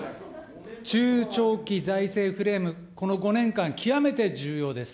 中長期財政フレーム、この５年間、極めて重要です。